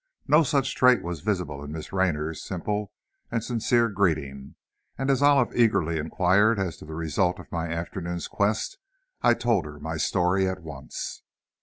No such trait was visible in Miss Raynor's simple and sincere greeting, and as Olive eagerly inquired as to the result of my afternoon's quest, I told her my story at once.